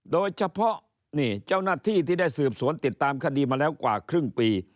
โดยเฉพาะนี่เจ้าหน้าที่ที่ได้สืบสวนติดตามคดีมาแล้วกว่าครึ่งปี